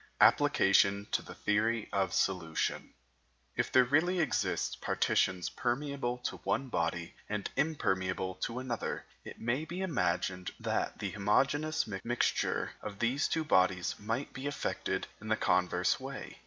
APPLICATION TO THE THEORY OF SOLUTION If there really exist partitions permeable to one body and impermeable to another, it may be imagined that the homogeneous mixture of these two bodies might be effected in the converse way.